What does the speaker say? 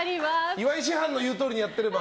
岩井師範の言うとおりにやってれば。